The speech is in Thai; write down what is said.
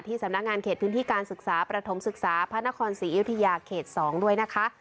ที่สำนักงานเขตพื้นที่การศึกษาประถมศึกษาพศรีอิทยาเกตสองด้วยนะคะ